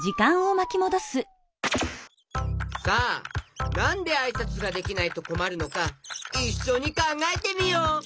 さあなんであいさつができないとこまるのかいっしょにかんがえてみよう！